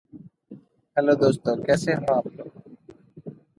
Chan is released after both Honorable and Shen fetch him at police headquarters.